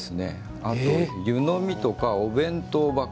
あと、湯飲みとか、お弁当箱。